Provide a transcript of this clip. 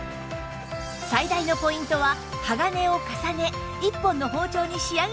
最大のポイントは鋼を重ね１本の包丁に仕上げている事